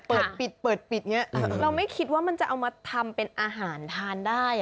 เปิดปิดเปิดปิดอย่างนี้เราไม่คิดว่ามันจะเอามาทำเป็นอาหารทานได้